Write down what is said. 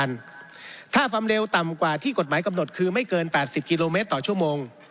ถ้าความเร็วต่ำกว่าที่กฎหมายกำหนดคือไม่เกิน๘๐กิโลเมตรต่อชั่วโมง